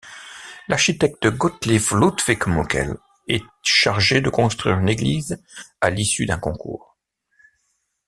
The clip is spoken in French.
L'architecte Gotthilf Ludwig Möckel est chargé de construire une église à l'issue d'un concours.